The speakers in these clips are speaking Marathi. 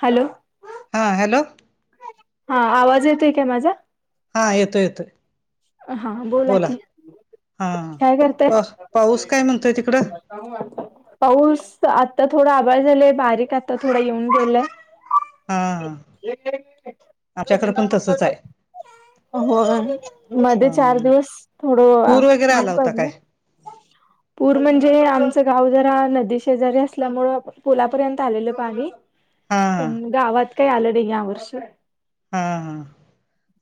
हॅलो, हा हॅलो, हा आवाज येतोय काय माझा? हा. येतो येतो. हा बोला, की हं काय करताय पा पाऊस काय म्हणतोय तिकडं? [unintelligible] पाऊस, आता थोडा आभाळ झालेय बारीक आता थोडा येऊन गेलाय. हा आमच्याकडे पण तसच आहे होय. हं हं. पूर वगैरे ऊन आला होता पडलं काय? पूर म्हणजे आमचं गाव जरा नदीशेजारी असल्यामूळ पुलापर्यंत आलेलं पाणी. हा हा पण गावात काही आलं नाही या वर्षी. हा. हा.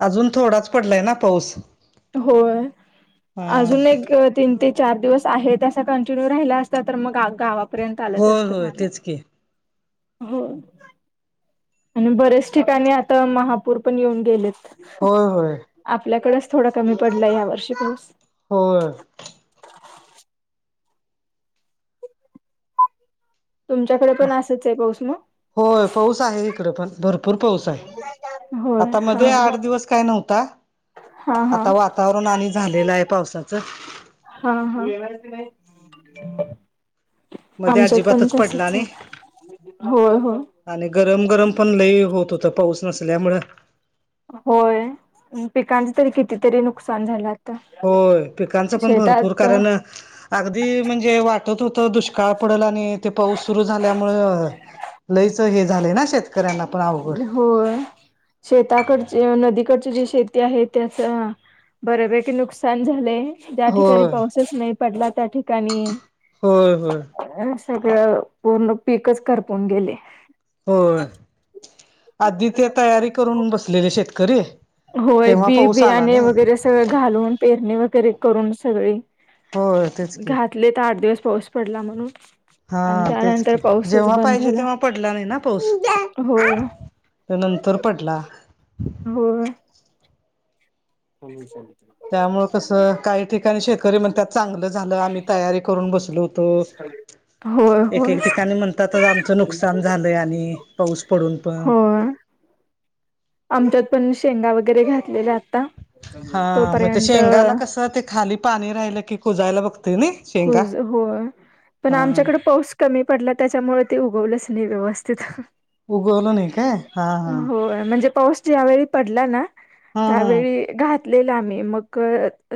अजून थोडाच पडलाय ना पाऊस. होय. हा अजून एक - - तीन ते चार दिवस आहे तसा कंटिन्यू राहिला असता तर मग गा -गावाात पर्यंत आलंच होय असत होय पाणी. तेच की हो. आणि बरेच ठिकाणी आता महापूर पण येऊन गेलेत. होय. होय. आपल्याकडेच थोड कमी पडला या वर्षी पाऊस. होय. तुमच्याकडे म पण असच हाय पाऊस मग? होय. पाऊस आहे इकडं पण. भरपूर पाऊस हाय. होय आता हा मध्ये हा आठ दिवस काय नव्हता. हा आता वातावरण आणि झालेलं हाय पावसाचं. हा. हा. मध्ये आमच्यात पण अजिबातच पडला तसच नाही हाय. होय, होय. आणि गरम गरम पण लई होत होत पाऊस नसल्यामुंळ. होय आणि पिकांचे तरी कितीतरी नुकसान झाल्यात. होय. पिकांचं पण भरपूर कारण - अगदी म्हणजे वाटत होत दुष्काळ पडेल आणि ते पाऊस सुरु झाल्यामुळ लईचं हे झालंय ना. शेत होय. शेताकडचे नदीकडची जी शेती आहे त्याच बऱ्यापैकी नुकसान झालेय. ज्या ठिकाणी होय पाऊसच नाही पडला त्या ठिकाणी. होय होय सगळं पूर्ण पीकच करपून गेलयं. होय. आधी ते तयारी करून बसलेले शेतकरी. होय. तेव्हा बी पाऊस आला बियाणे नाही वगैरे सगळं घालून पेरणी वगैरे करून सगळी होय तेच की घा तलीत आठ दिवस पाऊस पडला म्हणून. आणि हा तेच त्यानंतर की. पाऊसच जेव्हा बंद पाहिजे झाला. तेव्हा पडला नाही ना पाऊस. होय नंतर पडला. हो. समी [unintelligible] त्यामुळ कसं काही ठिकाणी शेतकरी म्हणत्यात चांगलं झालं आम्ही तयारी करून बसलो हो - - तो. होय एक होय एक ठिकाणी म्हणतात आमचं नुकसान झालंय आणि पाऊस पडून पडुन होय आमच्यात पण शेंगा वगैरे घातलेल्या आता. हा. मग ते तोपर्यंत शेंगाला कसं ते खाली पाणी राहिलं की कुजायला बघतयं नई. कुजु होय. पण आमच्याकडे पाऊस - - कमी पडला त्याच्यामुळे ते उगवलंच नाही व्यवस्थित. उगवलं नाही काय हा होय म्हणजे पाऊस ज्यावेळी पडला ना हा हा त्यावेळी घा तलेल आम्ही मग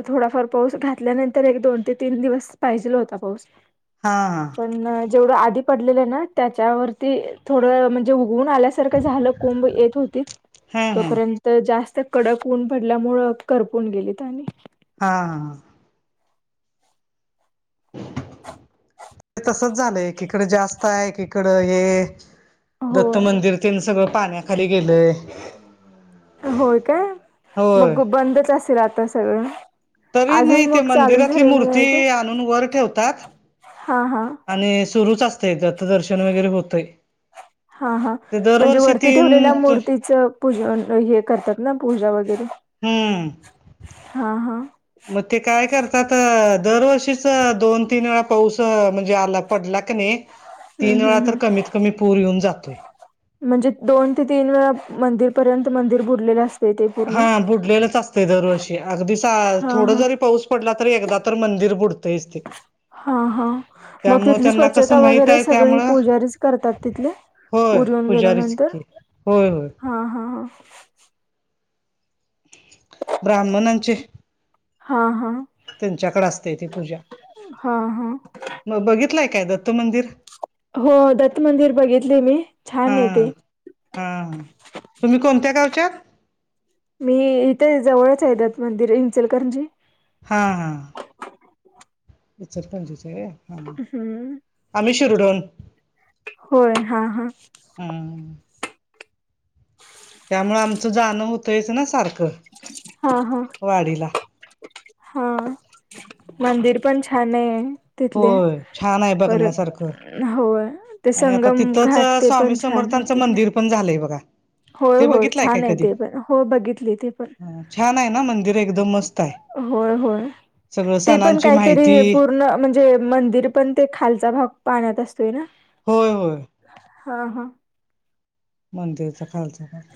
थोडाफार पाऊस घातल्यानंतर एक दोन ते तीन दिवस- - पाहिजेल होता पाऊस. हा. हा. पण जेवढं आधी पडलेलं हे ना त्याच्यावरती थोडं म्हणजे उगून आल्यासारखं झालं. कोंब येत होतीत. हम्म हम्म तोपर्यंत जास्त कडक ऊन पडल्यामुळ करपून गेलीत आणि. हा. हा. हा. [unintelligible] हे तसच झालंय. एकिकड जास्त हाय एकिकड हे. दत्त होय मंदिर तेन सगळं पाण्याखाली गेलय. होय काय होय मग बंदच असेल आता सगळं. तरी नाही अजून ते मग चालू मंदिरातली झालं नाही आहे मूर्ती काय आणून वर ठेवतात. हा हा. आणि सुरूच असतय त्यात दर्शन वगैरे होतय. हा हा ते म्हणजे दरवर्षी वरती ठेवलेल्या तीन मूर्तीच पूज हे करतात ना पूजा वगैरे हम्म. हा हा मग ते काय करतात दरवर्षीच दोन तीन वेळा पाऊस म्हणजे आला पडला क नाही हम्म तीन वेळा हम्म तर हम्म कमीत कमी पूर येऊन जातोय. म्हणजे दोन ते तीन वेळा मंदिरपर्यंत मंदिर बुडलेल अस हा बुडलेलंच असतं दरवर्षी अगदी सा हा थोडं हा जरी पाऊस पडला तरी एकदा तर मंदिर बुडतेच ते हा हा मग त्यामुळे तिथली त्यांना स्वच्छता कसं माहित वगैरे आहे सगळी प त्यामुळं पुजारीच करतात तिथले? होय पूर येऊन पुजारी गेल्यानंतर सिककी होय होय. हा हा हां. ब्राह्मणांचे हा हा. त्यांच्याकडे असतेय ती पूजा हा हा मग बघितलाय काय दत्त मंदिर? हो दत्त मंदिर बघितले मी छान आहे ते. हां तुम्ही कोणत्या गावच्यात? मी इथे जवळच आहे दत मंदिर इंचलकरजी हा हा. इचलकरांचीच हाय होय. हम्म होय हा हा. हां. त्यामुळे आमचं जाणं होतयच ना सारखं हा हा. वाडीला. हा मंदिर पण छान आहे. तिथले होय छान आहे बघण्यासारखं. परत हो ते आणि आता संगम तिथंच घाट ते स्वामी पण छान आहे समर्थांचं तिथले मंदिर पण झालंय बघा. होय ते होय बघितलंय काय छान आहे कधी ते पण हो बघितली ते पण छान आहे ना मंदिर एकदम मस्त आहे. होय होय सगळं ते पण सणांची काहीतरी माहिती पूर्ण म्हणजे जे मंदिर पण ते खालचा भाग पाण्यात असतोय ना. होय होय. हा हा. मंदिरचा खालचा भाग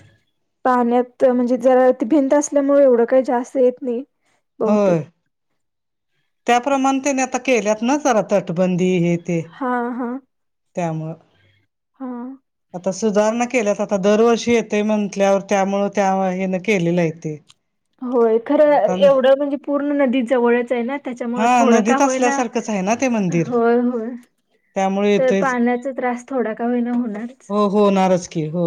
पाण्यात म्हणजे जरा ती भिंत असल्यामुळे एवढं काही जास्त येत नाही. बहुतेक होय. त्याप्रमाणे त्याने आता केल्यात ना जरा तटबंदी आहेत. हा हा. त्यामुळं हा आता सुधारणा केल्यात आता दरवर्षी येते म्हंथल्यावर त्यामुं त्या हेन केलेलं हाय ते. होय खरं म्हणताना एवढं म्हणजे पूर्ण नदी जवळच आहे ना त्याच्यामु हा थोडं का नदीत होय ना असल्यासारखंच आहे ना ते मंदिर होय होय त्यामुळे तर येतच पाण्याचा त्रास थोडा का हो ना होणार हो होणारच की हो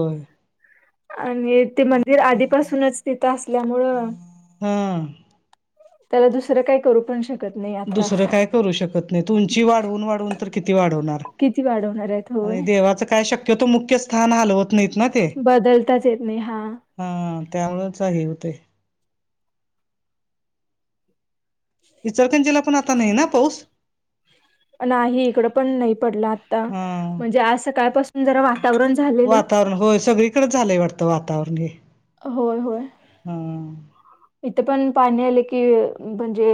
आणि ते मंदिर आधीपासूनच तिथं असल्यामुळं हा. त्याला दुसरं काय करू पण शकत नाही आता. दुसरं काय करू शकत नाही त उंची वाढवून वाढवून तर किती वाढवणार. किती वाढवणार आहेत होय. आणि देवाचं काय शक्यतो मुख्य स्थान हलवत नाहीत ना ते बदलताच येत नाही हा. हा त्यामुच आहे होते. इचरकंजीला पण आता नाही ना पाऊस. नाही इकडं पण नाही पडलं आता हा म्हणजे आज सकाळपासून जरा वातावरण झालेलं. वातावरण होय सगळी तकडं झालंय वाटतं वातावरण हे होय होय हा इथे पण पाणी आले की म्हणजे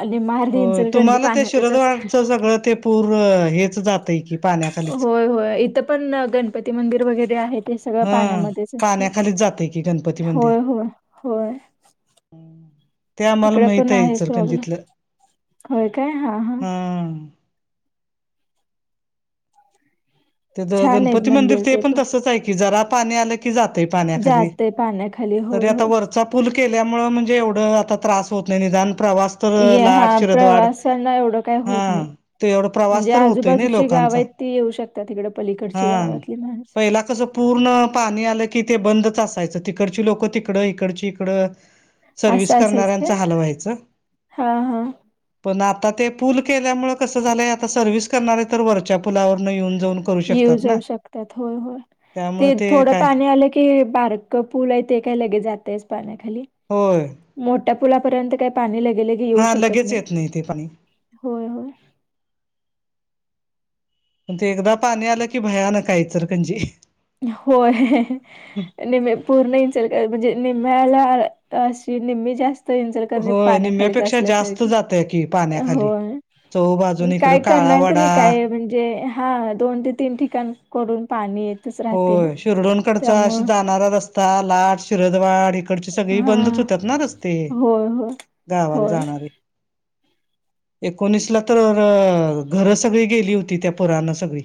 आणि मा हो तुम्हाला ते शरजवाटच सगळं ते पूर हेच जात. होय होय इथं पण गणपती मंदिर वगैरे आहेत. ते सगळं हा पाण्यामध्येच पाण्याखालीच जातय की गणपती मंदिर होय होय होय. ते आम्हाला इकडे माहित पण आहे आहेच प्रॉब्लेम इचलकरंजीतलं होय काय हा हा ते गणपती मंदिर ते पण तसच आहे की जरा पाणी आलं जात पाण्याखाली जाते पाण्याखाली त होय आता होय व चा पूल केल्यामुळे म्हणजे एवढं आता त्रास होत नाही निदान प्रवास तर ये लाट हा शिरदवाड प्रवासांना एवढं काही होत हा नाही ते एवढा म्हणजे प्रवास तर होतोय ना आजूबाजूची गाव लोकांचा आहेत. ते येऊ शकतात तिकडे हा पलीकडचे गावातले माणूस पहिला कसं पूर्ण पाणी आलं की ते बंदच असायचं तिकडची लोकं तिकड इकडची इकडं सर्वि्हस असं असायचं काय करणाऱ्यांचा हल व्हायचं. हा हा पण आता ते पूल केल्यामुळे कसं झालंय आता सर्व्हिस करणार आहे तर वरच्या पुलावरन येऊन जऊ. येऊ जाऊ शकतात हो होय त्यामुळे ते थोडं काय पाणी आलं. बारक पूल आहे ते काय लगे जातयस पाण्याखाली हो मोठ्या पुुलापर्यंत काय पाणी लागेल. हा लगेच येत नाही. ते पाणी होय होय पण ते एकदा पाणी आलं की भयानक इचलकरंजी- होय निमी पूर्ण इचलकरंजी म्हणजे निम्म्याला निम्मी जास्त पूर्ण इचलकरंजी होय पाण्याखालीच निम्म्यापेक्षा जास्त असल्यासारखं जातय की पाण्याखाली ह चहू बाजून काय इकडं करणार काळावडा तरी काय म्हणजे हा दोन ते तीन ठिकाण कडून पाणी येत. होय शिरडोंकडचा अस जाणारा रस्ता लाट, शिरदवाड इ इकडची सगळी हा बंदच होतात. ना रस्ते होय होय गावाला होय. जाणारे एकोणीसला तर घरं सगळी गेली होती. त्या पुरानं सगळी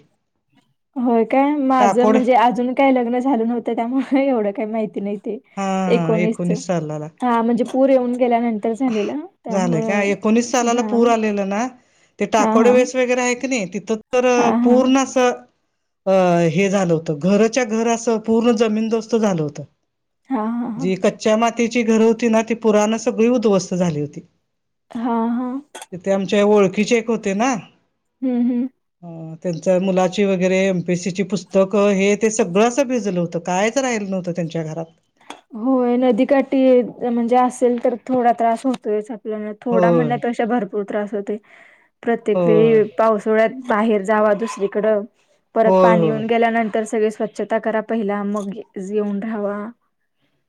होय काय माझं टाकोड म्हणजे अजून काय लग्न झालं नव्हतं त्यामुळे एवढं काही माहिती नाही. ते हा हा एकोणीस सालाला हा म्हणजे पूर येऊन गेल्यानंतर झालेला झालंय का त्यामुळं एकोणीस सालाला हा पूर आलेला ना ते हा टाकोड हा वेस वगैरे आहे की नाही. तिथं तर हा हा पूर्ण असं. अ हे झालं होत घराच्या घरा असं पूर्ण जमीन दोस्त झालं होत. हां, हां, हां. जी कच्च्या मातीची घरं होती ना ती पुराणं सगळी उद्ध्वस्त झाली होती. हा हा ते ते आमच्या ओळखीचे एक होते ना हम्म हम् हो त्यांच मुलाची वगैरे एम पी एस सीची पुस्तकं हे ते सगळं असं भिजलं होतं कायच राहिलं नव्हतं. त्यांच्या घरात होय नदीकाठी म्हणजे असेल. तर थोडा त्रास होतोय. थोडा होय म्हणण्यापेक्षा भरपूर त्रास होते प्रत्येक वेळी होय पावसाळ्यात बाहेर जावा दुसरीकडं परत होय पाणी होय येऊन गेल्यानंतर सगळे स्वछ छट करा पहिला मग येेऊन राहावा.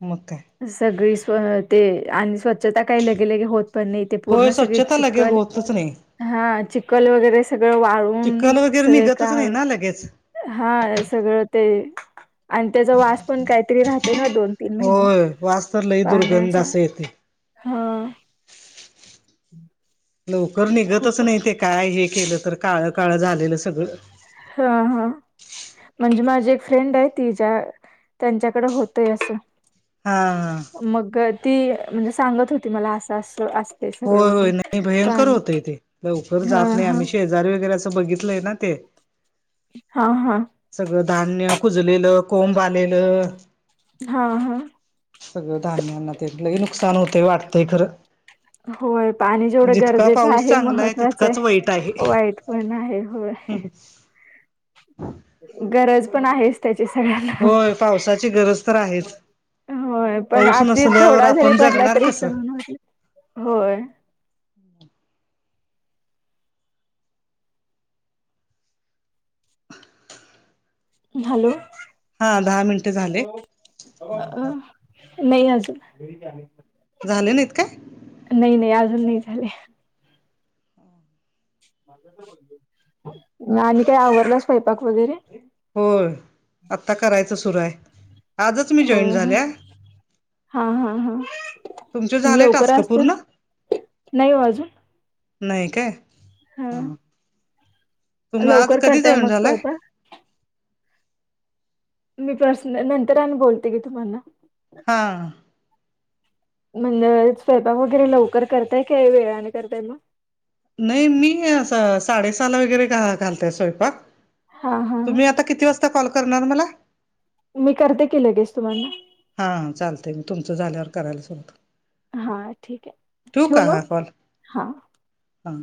मग काय? सगळी सोय आहे ते आणि स्वतः काही लगेलगे होतपण नाही. ते पूर्ण होय सगळे स्वच्छता लगे चिखल होतच नाही हा चिखल वगैरे सगळं वाळू चिखल वगैरे निघतच नाही ना लगेच. हा सगळं ते आणि त्याचा वास पण काहीतरी राहत ते ना दोन तीन महिने, होय वास तर लई दुर्गंध पाहण्याचा असं येते. हा. लवकर निघतच खूप नाही. ते काय हे केलं तर काळ काळ झालेलं सगळं. हां हां. म्हणजे माझी एक फ्रेंड आहे. तीज्या त्यांच्याकडे होतय असं. हा हा मग ती म्हणजे सांगत होती मला असं असं असं होय होय नाही भयंकर होतय ते. लवकर हा जात नाही, हा आम्ही शे जार वगैरे असं बघितलंय ना ते. हा हा. सगळं धान्य कुजलेलं, कोंब आलेलं. हा हा. सगळं धान्यांना तेन. लय नुकसान होतंय वाटतंय खरं. होय पाणी जेवढं जितका गरजेचं पाऊस आहे, चांगला महत्वाचं तितकाच हाय. वाईट आहे. वाईट पण आहे होय. गरज पण आहेच त्याची सगळ्यांना. होय पावसाची गरज तर आहेच. होय पण पाऊस आती नसल्यावर थोडा जरी आपण पडला जगणार तरी कसं? सहन होत नाही. होय. हॅलो. हा दहा मिनट झाले. अ नाही अजून. झाले नाहीत काय? नाही नाही अजून नाही झाले. आणि काय आवरला स्वयंपाक वगैरे? होय आता करायचं सुरू हाय. आजच मी हो जॉईन झाल्या. हा हा हा, तुमचे झाले लवकर टास्क असतील पूर्ण नाही ओ अजून. नाही काय हा. लवकर करताय जॉईन मग झालाय स्वयंपाक? मी पर्सन नंतर आणि बोलतेकी तुम्हाला. हा. म्हणजे स्वयंपाक वगैरे लवकर करताय, काय वेळानं करताय मग? नाही मी असं साडेसहाला वगैरे घालते स्वयंपाक. हा हा हा तुम्ही आता किती वाजता कॉल करणार मला? मी करते की लगेच तुम्हांना. हा चालतंय. मी तुमचं झाल्यावर करायला सांगतो. हा ठीक आहे ठेवू का हा काॅल? हा. हां.